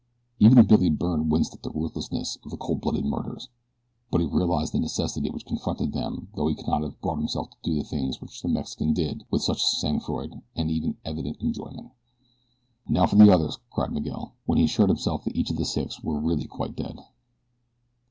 Even Billy Byrne winced at the ruthlessness of the cold blooded murders; but he realized the necessity which confronted them though he could not have brought himself to do the things which the Mexican did with such sang froid and even evident enjoyment. "Now for the others!" cried Miguel, when he had assured himself that each of the six were really quite dead.